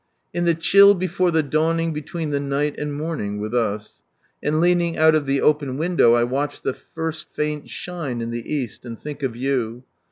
" In the chill before the dawning between the night and morning" with us. And leaning out of the open window, I watch the first faint shine in the East, and think of you.